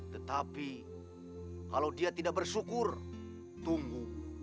tetapi kalau dia tidak bersyukur tunggu